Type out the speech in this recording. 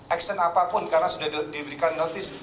action apapun karena sudah diberikan notice